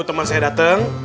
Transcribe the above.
tunggu temen saya dateng